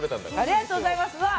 ありがとうございます。